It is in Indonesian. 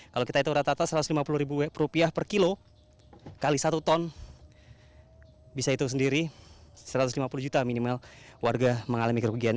kalau kita hitung rata rata rp satu ratus lima puluh per kilo kali satu ton bisa itu sendiri satu ratus lima puluh juta minimal warga mengalami kerugian